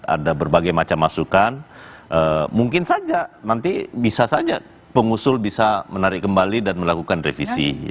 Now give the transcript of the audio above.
ada berbagai macam masukan mungkin saja nanti bisa saja pengusul bisa menarik kembali dan melakukan revisi